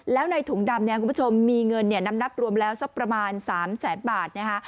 แล้วในถุงดำเนี่ยคุณผู้ชมมีเงินนำนับรวมแล้วสักประมาณ๓แสนบาทนะคะ